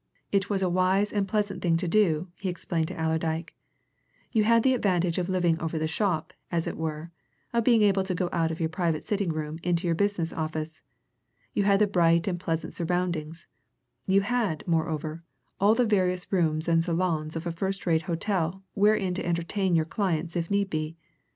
It was a wise and pleasant thing to do, he explained to Allerdyke; you had the advantage of living over the shop, as it were; of being able to go out of your private sitting room into your business office; you had the bright and pleasant surroundings; you had, moreover, all the various rooms and saloons of a first rate hotel wherein to entertain your clients if need be.